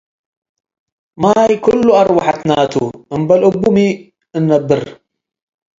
ማይ ኩሉ አርወሐትነ ቱ፡ እምበል እቡ ሚ እንነብር